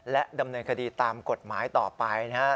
และดำเนินคดีตามกฎหมายต่อไปนะครับ